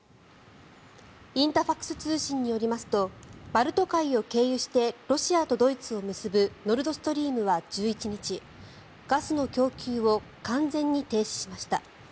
インタファクス通信によりますとバルト海を経由してロシアとドイツを結ぶノルド・ストリームは１１日ガスの供給を完全に停止しました。